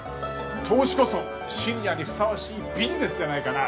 投資こそシニアにふさわしいビジネスじゃないかな。